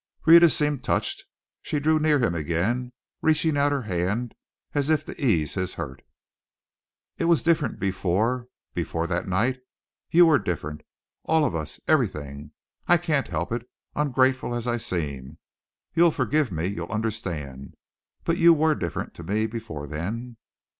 Rhetta seemed touched. She drew near him again, reaching out her hand as if to ease his hurt. "It was different before before that night! you were different, all of us, everything. I can't help it, ungrateful as I seem. You'll forgive me, you'll understand. But you were different to me before then."